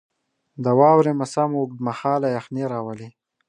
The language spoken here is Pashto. • د واورې موسم اوږد مهاله یخني راولي.